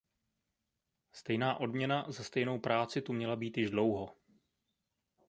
Stejná odměna za stejnou práci tu měla být již dlouho.